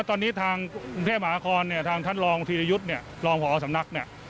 ตอนนี้ทางคุณเทพมหาคลทางท่านลองพิธียุทธ์ลองพสำนัก